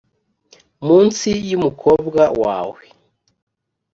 munsi yumukobwa wawe